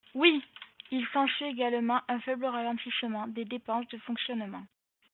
Oui ! Il s’ensuit également un faible ralentissement des dépenses de fonctionnement.